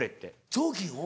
雑巾を？